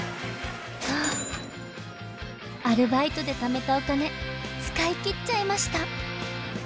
アルバイトでためたお金使い切っちゃいました。